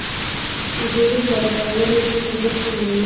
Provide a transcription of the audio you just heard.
ډوډۍ برابرولو کې تجسم مومي.